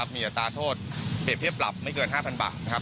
มีอัตราโทษเปรียบเทียบปรับไม่เกิน๕๐๐บาทนะครับ